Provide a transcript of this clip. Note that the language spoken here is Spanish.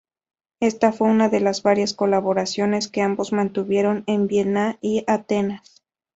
Esta fue una de las varias colaboraciones que ambos mantuvieron en Viena y Atenas.